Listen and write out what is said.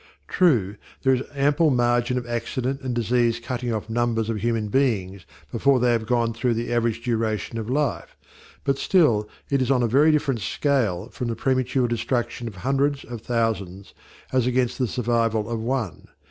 True, there is ample margin of accident and disease cutting off numbers of human beings before they have gone through the average duration of life, but still it is on a very different scale from the premature destruction of hundreds of thousands as against the survival of one.